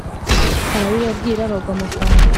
Arabibabwira bagwa mu kantu!